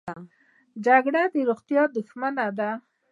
جګړه د روغتیا دښمنه ده